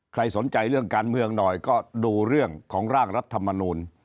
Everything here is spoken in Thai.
ใครสนใจเรื่องการเมืองหน่อยก็ดูเรื่องของร่างรัฐมนูล